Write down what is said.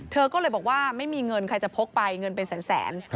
เธอก็เลยบอกว่าไม่มีเงินใครจะพกไปเงินเป็นแสน